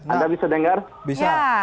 anda bisa dengar